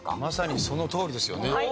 まさにそのとおりですよね。